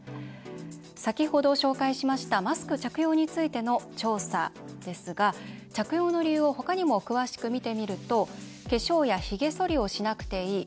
先ほど紹介しましたマスク着用についての調査ですが着用の理由を他にも詳しく見てみると化粧やひげそりをしなくていい。